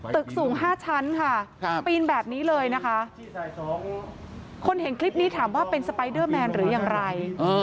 ตึกสูง๕ชั้นปีนแบบนี้เลยคนเห็นคลิปนี้ถามว่าเป็นสไปด้อแมนหรือยังไง